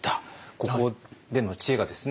ここでの知恵がですね